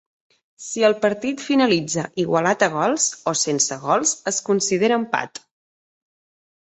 Si el partit finalitza igualat a gols o sense gols, es considera empat.